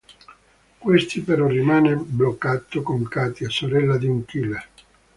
Questi però rimane bloccato con Katia, sorella di un killer.